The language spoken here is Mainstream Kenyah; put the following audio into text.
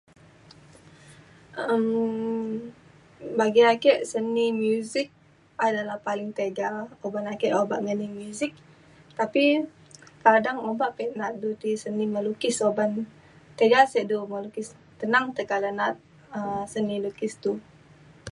um bagi ake seni muzik adalah paling tiga oban ake obak ngening muzik tapi kadang obak pe' naat du seni melukis oban tiga se du melukis tenang tekala na'at seni lukis du